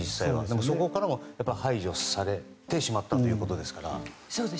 そこから排除されてしまったということですから。